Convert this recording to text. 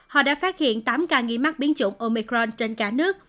họ đã phát hiện tám ca nghi mắc biến chủng omicron trên cả nước